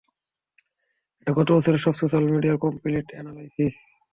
এটা গতবছরের সব সোস্যাল মিডিয়ার কমপ্লিট এনালাইসিস।